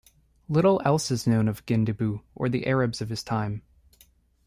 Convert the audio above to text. Little else is known of Gindibu or the Arabs of his time.